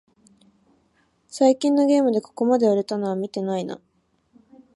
最近のゲームでここまで売れたのは見てないな